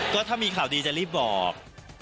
ก็ถ้ามีข่าวดีจะรีบบอก